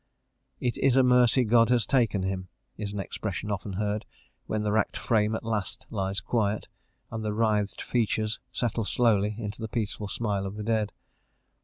"It is a mercy God has taken him," is an expression often heard when the racked frame at last lies quiet, and the writhed features settle slowly into the peaceful smile of the dead.